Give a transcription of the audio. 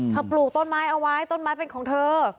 ปลูกต้นไม้เอาไว้ต้นไม้เป็นของเธอ